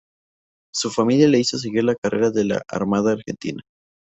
Su familia le hizo seguir la carrera de la Armada Argentina.